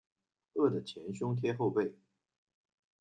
饿得前胸贴后背